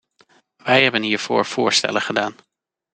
Wij hebben hiervoor voorstellen gedaan.